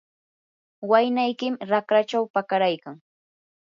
waynaykim raqrachaw pakaraykan.